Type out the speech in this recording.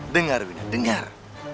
dengar wina dengar